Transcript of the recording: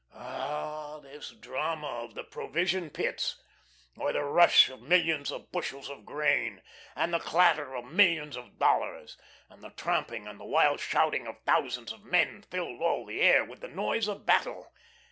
Ah, this drama of the "Provision Pits," where the rush of millions of bushels of grain, and the clatter of millions of dollars, and the tramping and the wild shouting of thousands of men filled all the air with the noise of battle!